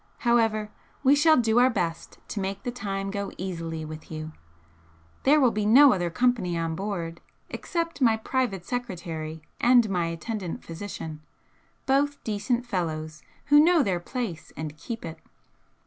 However, we shall do our best to make the time go easily with you. There will be no other company on board except my private secretary and my attendant physician, both decent fellows who know their place and keep it."